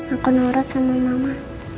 aku nurut sama mama